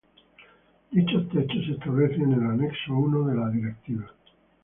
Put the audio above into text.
Dichos techos se establecen en el Anexo I de la Directiva.